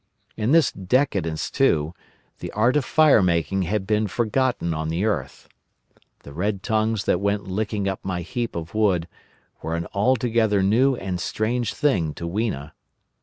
In this decadence, too, the art of fire making had been forgotten on the earth. The red tongues that went licking up my heap of wood were an altogether new and strange thing to Weena.